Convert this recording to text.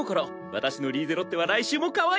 私のリーゼロッテは来週もかわいい。